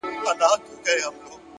اخلاص د باور ریښې ژوروي!